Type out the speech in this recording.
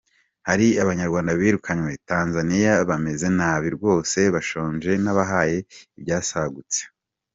Hari Abanyarwanda birukanwe Tanzaniya bameze nabi rwose bashonje nabahaye ibyasagutse.